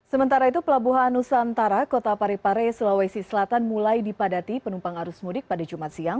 sementara itu pelabuhan nusantara kota parepare sulawesi selatan mulai dipadati penumpang arus mudik pada jumat siang